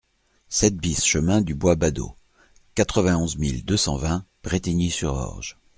sept BIS chemin du Bois Badeau, quatre-vingt-onze mille deux cent vingt Brétigny-sur-Orge